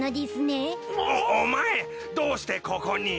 おっお前どうしてここに？